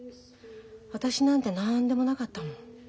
私なんて何でもなかったもん。